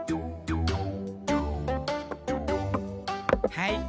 はい。